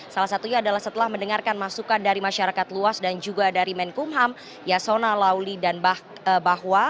salah satunya adalah setelah mendengarkan masukan dari masyarakat luas dan juga dari menkumham yasona lauli dan bahwa